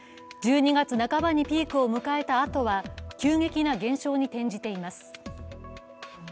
１２月半ばにピークを迎えた後は急激な減少に転じています。